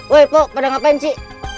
woi pak pada ngapain ci